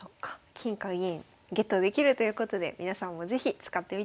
金か銀ゲットできるということで皆さんも是非使ってみてください。